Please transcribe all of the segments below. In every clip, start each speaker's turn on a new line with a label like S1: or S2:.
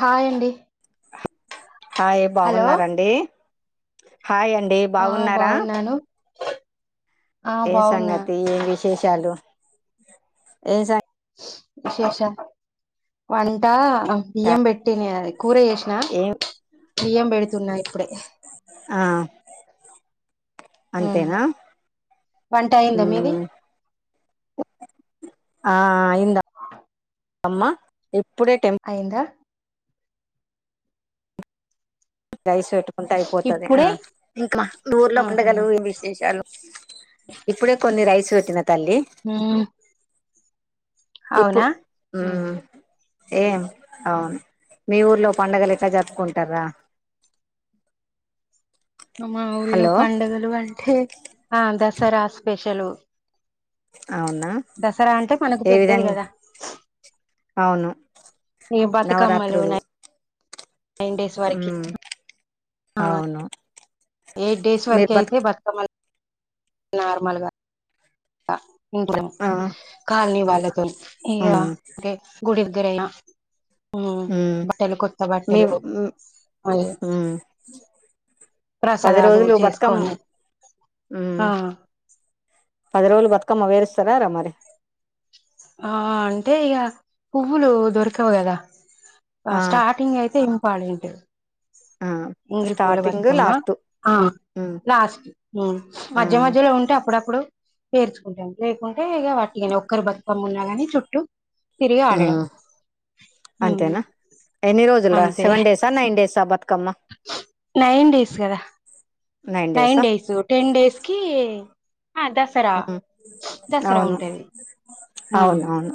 S1: హాయ్యండి.
S2: హాయ బాగున్నార అండి.
S1: ఆ
S2: బాగున్నారా
S1: బాగున్నాను. ఆ
S2: ఏ
S1: బాగున్నా
S2: సంగతి ఏం విశేషాలు ఏ సంగ్
S1: విశేషం వంట బియ్యం పెట్టిని అది కూర చేసిన
S2: ఏం
S1: బియ్యం పెడుతున్నా ఇప్పుడే
S2: ఆ
S1: ఉమ్
S2: అంతేనా
S1: వంట అయిందా మీది
S2: ఉమ్ ఆ ఇం
S1: ఆ
S2: అమ్మా ఇప్పుడే టెంప్ రైస్ పెట్టుకుంటే అయిపోతది
S1: ఇప్పుడే
S2: ఇంకా దూర్లో
S1: ఆహా
S2: పండగలు ఏం విశేషాలు ఇప్పుడే కొన్ని రైస్ వె
S1: ఊ
S2: ఇప్పుడు ఉమ్ ఏం అవును మీ ఊర్లో పండుగలు ఎట్టా జరుపుకుంటార్రా?
S1: మా ఊళ్ళో
S2: హలో
S1: పండుగలు అంటే ఆ దసరా స్పెషలు
S2: అవునా
S1: మనకు
S2: ఏ
S1: పెద్దది
S2: విధంగా
S1: కదా
S2: అవును
S1: ఈ బతుకమ్మలు
S2: నవరాత్రులు
S1: ఉన్నాయ్ నైన్ డేస్ వరకి
S2: మ్మ్
S1: ఆ
S2: అవును
S1: ఎయిట్ డేస్
S2: మీరు
S1: వరకి
S2: బతు
S1: అయితే బతుకమ్మలు నార్మల్గా ఉంటాం
S2: ఆ
S1: కాలనీ వాళ్ళ తోని ఇగ
S2: హ్మ్
S1: ఏ గుడి దగ్గర ఐనా ఉమ్
S2: హ్మ్
S1: బట్టలు కొత్త
S2: మీ
S1: బట్టలు
S2: హ్మ్
S1: అదే
S2: హ్మ్ పది
S1: ప్రసాదాలు
S2: రోజులు బతుకమ్మ
S1: చేస్కోని
S2: హ్మ్
S1: ఆ
S2: పది రోజులు బతుకమ్మ వేరుస్తరా రా మరి
S1: ఆ అంటే ఇక పువ్వులు దొరకవు కదా
S2: ఆ
S1: స్టార్టింగ్ అయితే ఇంపార్టెంట్
S2: ఆ
S1: ఇంగ ఈ పూల
S2: స్టార్టింగ్
S1: బత్కమ్మా
S2: లాస్ట్
S1: ఆ
S2: హ్మ్
S1: లాస్ట్
S2: ఆ
S1: మధ్య మధ్యలో ఉంటే అప్పుడప్ ఇప్పుడు పేర్చుకుంటాం లేకుంటే ఇ వట్టికని ఒక్కరి బతుకమ్మ ఉన్నా కాని చుట్టూ తిరిగాలి ఇగ
S2: హ్మ్ అంతేనా ఎన్ని రోజుల్రా
S1: అంతే
S2: సెవెన్ డేసా నైన్ డేస్ బతుక
S1: నైన్ డేస్ కదా నైన్ డేస్ టెన్ డేస్ కి ఆ దసరా
S2: మ్
S1: దసరా
S2: అవును
S1: ఉంటది ఆ
S2: అవునవును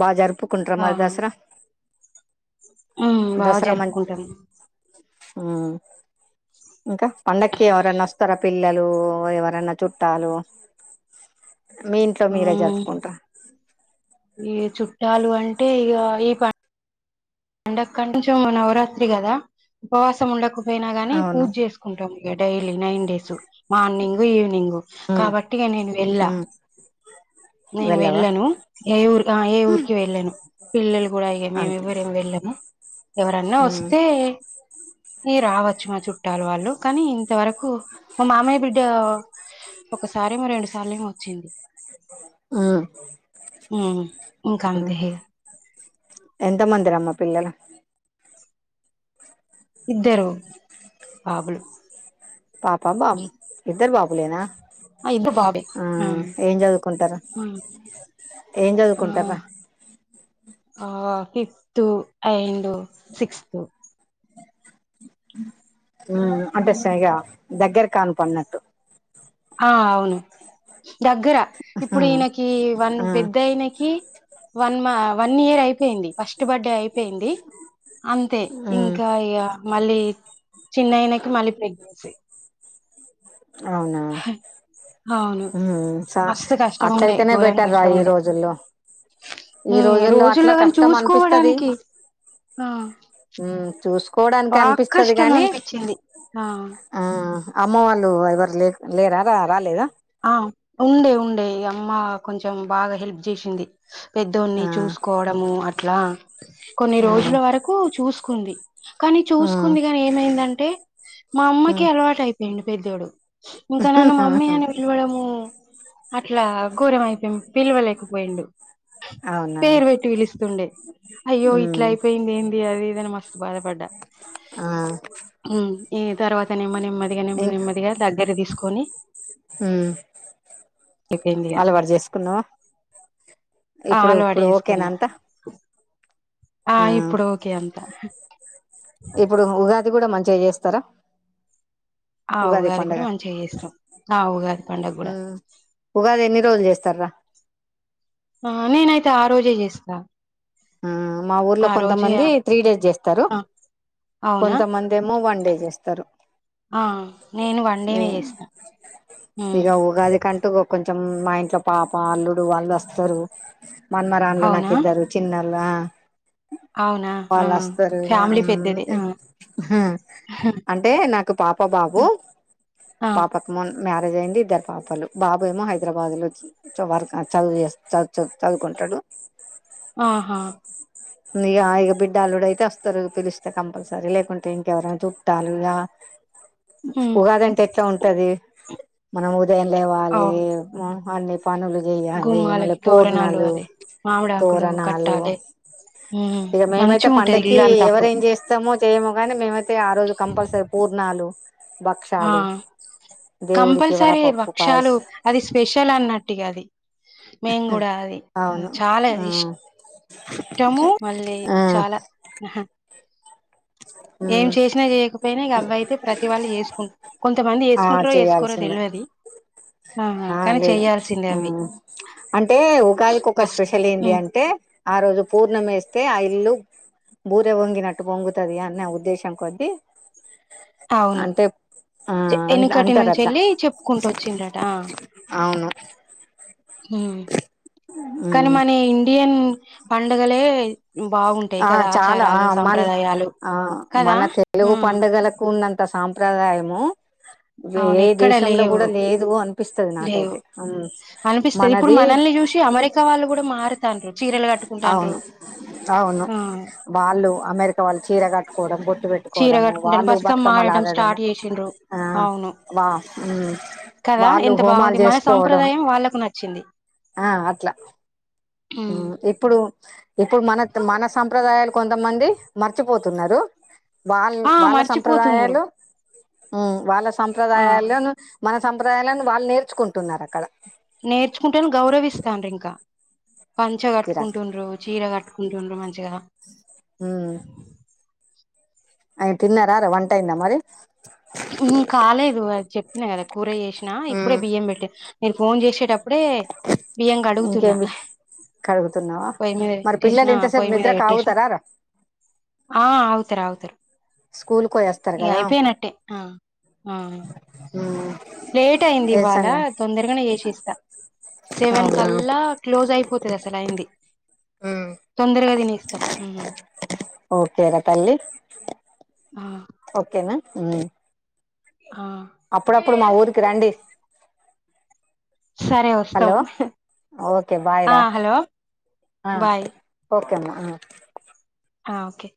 S2: బా జరుపు ప్పుకుంట్రా మరి
S1: ఆహా
S2: దస్రా
S1: ఉమ్ బాగా
S2: దస్రా మంచి
S1: జరుపుకుంటాం
S2: ఆ ఇంకా పండక్కి ఎవరన్నా వస్తార పిల్లలు ఎవరన్నా చుట్టాలు మీ ఇంట్లో మీరే
S1: ఉమ్
S2: జరుపుకుంట్రా?
S1: ఈ చుట్టాలు అంటే ఇక ఈ ప అంటే కండీషం నవరాత్రి కదా ఉపవాసం ఉండకు పోయినా గాని
S2: అవును
S1: పూజ చేసుకుంటాం ఇగ daily nine days morning evening
S2: హ్మ్
S1: కాబట్టి ఇగా నేను వెళ్ళా
S2: హ్మ్
S1: నేను
S2: వెళ్ళవా
S1: వెళ్ళను ఏ ఊర్కి ఏ ఊరికి వెళ్ళను పిల్లలు కూడా ఇగ ఆ మేము
S2: అంతే
S1: ఎవ్వరేం వెళ్ళము ఎవరన్నా
S2: ఉమ్
S1: వస్తే ఈ రావచ్చు మా చుట్టూ పుట్టారు వాళ్ళు కానీ ఇంతవరకు మా మామయ్య బిడ్డ ఒకసారేమో రెండు సార్లు ఏమో వచ్చింది
S2: ఉమ్
S1: ఇంకాని త
S2: పిల్లల
S1: ఇద్దరు బాబులు
S2: పాపాా బాబ ఇద్దర బాపుూలేనా
S1: ఆ ఇద్దరు బాబే
S2: ఆ ఏం చదువుకుంటారు ఏం
S1: ఆ
S2: చదువుకుంటార
S1: ఆ ఫిఫ్త్ అండ్ సిక్స్త్
S2: అంటే సరిగా దగ్గర కాను పడినట్టు
S1: ఆ అవును దగ్గర ఇప్పుడు ఈయనకి వన్
S2: ఆ
S1: పెద్దయినకి వన్ మా వన్ ఇయర్ అయిపో పోయింది ఫస్ట్ బర్త్డే అయిపోయింది అంతే
S2: ఉమ్
S1: ఇంకా ఇక మళ్ళీ చిన్నయనకి మళ్ళి ప్రెగ్నెన్స
S2: అవునా చ
S1: మస్తు కష్టం ఉండే
S2: అట్లయితేనే
S1: ఘోరం
S2: బెటర్ రా
S1: కష్టం
S2: ఈ
S1: ఉండే
S2: రోజుల్లో ఈ
S1: ఉమ్
S2: రోజుల్లో అట్లా
S1: కాని
S2: కష్టం అనిపిస్తది
S1: చూసుకోవడానికి ఆ
S2: చూసు కోడానికి
S1: బాగా
S2: అనిపిస్తుది
S1: కష్టం
S2: కాగాని
S1: అనిపించింది ఆ
S2: ఆ అమ్మ వాళ్ళు ఎవరు లే లేరా రా రాలేదా
S1: ఆ ఉండే ఉండే అమ్మ కొంచెం బాగా హెల్ప్ చేసింది పెద్దోన్ని
S2: ఆ
S1: చూసుకోవడము అట్లా కొన్ని
S2: ఉమ్
S1: రోజుల వరకు చూసుకుంది కానీ
S2: ఉమ్
S1: చూసుకుంది కాని ఏమైందంటే మా అమ్మకి అలవాటు అయిపోయింది పెద్దోడు ఇంకా నన్ను మమ్మీ
S2: ఉమ్
S1: అని ము అట్లా ఘోరం అయిపోయి పిలవలేకపోయిండు
S2: అవునా
S1: పేరు పెట్టి పిలుస్తుండే అయ్యో ఇట్లా
S2: ఉమ్
S1: అయిపోయింది ఏంది అది ఇదని మస్త బధపడ్డ
S2: ఆ
S1: ఏ తర్వాత నిమ్మ నెమ్మదిగా నిమ్మది నెమ్మదిగా దగ్గర తీసుకొని
S2: హ
S1: అయిపోయింది ఇగ
S2: అలవాటు చేసుకున్నావా
S1: ఆ
S2: ఇప్పుడు
S1: అలవాటు
S2: ఇప్పుడు ఓకేనా
S1: చేసుకున్నా
S2: అంత
S1: ఆ ఇప్పుడు ఓకే అంత
S2: ఇప్పుడు ఉగాది కూడా మంచిగా చేస్తారా
S1: ఆ ఉగాది కూడా మంచిగా చేస్తాం ఆ ఉగాది పండగ కూడా
S2: ఉమ్ ఉగాది ఎన్ని రోజులు చేస్తారా
S1: ఆ నేనైతే ఆ రోజే చేస్తా
S2: ఆ మా ఊర్లో
S1: ఆ రోజే ఆ
S2: కొంతమంది త్రీ డేస్ చేస్తారు
S1: అవునా
S2: కొంతమంది ఏమో వన్ డే చేస్తారు
S1: ఆ నేను వన్డేనే చేసినా
S2: ఇగ ఉగాది కంటు కొంచం మా ఇంట్లో పాప అల్లుడు వాళ్ళు వస్తారు మనమ రాన్లు నాకు
S1: అవునా
S2: ఇద్దరు
S1: అవునా ఆ
S2: వాళ్ళ వస్తారు
S1: ఫ్యామిలీ పెద్దది
S2: ఇ
S1: ఆ
S2: అంటే నాకు పాప బాబు
S1: ఆ
S2: పాపకమోన్ మ్యారేజ్ అయింది ఇద్దరు పాపలు బాబు ఏమో హైదరాబాద్ లో వర చదువు చే చదువు చ చదువుకుంట ట్టడు
S1: ఆహా
S2: ఇక ఇక బిడ్డలు కూడా అయితే వస్తారు పిలిస్తే కంపల్సరీ లేకుంటే ఇంకెవరైనా చుట్టాలు ఇక
S1: ఉమ్
S2: ఉగాదింటే ఎట్లా ఉంటది మనం ఉదయం లేవాలి
S1: అవును
S2: అన్ని పనులు చెయాలి మళ్ళ
S1: గుమ్మాలకి తోరణాలు
S2: పూర్ణలు
S1: అది
S2: తో
S1: మామిడాకులు కట్టాలి ఉమ్
S2: ఇ మేతే
S1: మంచిగా ఉంటది
S2: పడుకి
S1: ఇల్లు అంతా అప్పుడు
S2: ఎవం చేస్తాం మో చేయమో కాని మేమైతే ఆ రోజు కంపల్సరీ పూర్ణాలు
S1: ఆ
S2: భక్షాలు దేవుడికి
S1: కంపల్సరీ
S2: వడపప్పు
S1: బక్షాలు
S2: పాయసం
S1: అది స్పెషల్ అన్నట్టు ఇగ అది మేం కూడా అది
S2: అవును
S1: చాలా
S2: ఆ
S1: ఇష్ టము మళ్ళీ
S2: ఆ
S1: చాలా ఆహా ఏం చేసినా చేయకపోయినా ఇగ అవ్వయీతే ప్రతి వవాళ్ళు చేసుకుంట కొంతమంది
S2: ఆ
S1: చేసుకుంటారో చేసుకోరో
S2: చేయాల్సిందే
S1: తెల్వద్ ది ఆహా కా
S2: ఆలేదు ఆ అంటే ఉగాదికి ఒక
S1: ఫస్ట్
S2: స్పెషల్ ఏంది
S1: ఉమ్
S2: అంటే ఆ రోజు పూర్ ర్ణం ఏస్తే ఆ ఇల్లు బురే పొంగినట్టు పొంగుతదీ అన్న ఉద్దేశం కొద్దీ
S1: అవును
S2: అంటేప్ ఆ ఆ
S1: వెనుకటి నుంచి
S2: అంటరాట్ల
S1: వెళ్ళి చెప్పుకుంటూ వచ్చిండ్రట
S2: అవును
S1: హు కాని
S2: మ్మ్
S1: మాన ఇండియన్ పండగలే
S2: ఆ చాలా ఆ మన్
S1: సంప్రదాయాలు
S2: ఆ
S1: కదా
S2: మన తెలుగు
S1: ఉమ్
S2: పండుగలకు ఉన్నంత్ త సంప్రదాయాము వే
S1: అవును
S2: ఎ
S1: ఎక్కడ
S2: దేశంలో
S1: లేవు
S2: కూడా లేదు అనిపిస్తది
S1: లేవు
S2: నాకైతే మనదీ
S1: అమరికా వాళ్ళు కూడా మారుతండ్రు చీరలు కట్టుకుంటాడ్రు
S2: అవును అవును వాళ్ళు అమెరికా వాళ్ళు చీర కట్టుకోవడం బొట్ టు
S1: చీర
S2: పెట్టుకోవడము
S1: కట్టుకుంటాను
S2: వాళ్ళు
S1: బతుకమ్మ ఆడటం
S2: బతుకమ్మలాడడము
S1: స్టార్ట్ చేసిండ్రు
S2: ఆ
S1: అవును
S2: వా హు
S1: కదా ఎంత బావుంది మన సాంప్రదాయం వాళ్ళకు నచ్చిది
S2: ఆ అట్ల హా ఇప్పుడు ఇప్పుడు మనత్ మన సంప్రదాయాల్ కొంతమంది మర్చిపోతున్నారు వాళ్
S1: ఆ
S2: వాళ్ళ
S1: మర్చిపోతున్నారు
S2: సంప్రదాయాలు హు వాళ్ళ
S1: ఆ
S2: సంప్రదాయాల్లను మన సంప్రదాయాలను వాళ్ళు నేర్చుకుంటున్నారు అక్కడ
S1: నేర్చుకుంటేన్ గౌరవిస్తానండ్రు ఇంకా పంచ
S2: కిరా
S1: కట్టుకుంటుండ్రు చీర కట్ కుంటున్రు మంచిగా
S2: హు అయ్ తిన్నారార వంట అయిందామరి
S1: హు కాలేదు ఆ చెప్పిన కదా కూర చేసినా ఇప్పుడే
S2: ఉమ్,
S1: బియ్యం పెట్టినా మీరు ఫోన్ చేసేటప్ ప్పుడే బియ్యం
S2: ఇంకేం
S1: కడుగుతున్నా
S2: విష్ కడుగుతున్నావా
S1: పోయి మీద
S2: మరి పిల్లలు
S1: పెట్టేషీనా
S2: ఇంతసేపు
S1: పోయి మీద
S2: నిద్ర
S1: పెట్టేషినా
S2: కాగుతారా రా
S1: ఆ అవున్ తరఘుతర్
S2: స్కూల్ కు వోయాస్తారు కదా
S1: ఆ ఆ
S2: ఉమ్
S1: లేటైంది
S2: ఏ
S1: ఇవాళ్ళ
S2: సంగ
S1: తొందరగానే చేసేస్తా సెవెన్
S2: అవునా
S1: కాళ్ళ క్లోజ్ అయిపోతాంది అసలు అయింది
S2: ఉమ్
S1: తొందరగా తినెస్ తం హుహు
S2: ఒకేరా తల్లి
S1: ఆ
S2: ఒకేనాహ్మ్
S1: ఆ
S2: అప్పుడప్పుడు మా ఊరికి రండి
S1: సరే వస్తాం
S2: హలో ఒకే బాయ్
S1: ఆ
S2: రా
S1: హలో
S2: ఆ
S1: బాయ్
S2: ఒకే అమ్మ ఆ
S1: హా ఒకే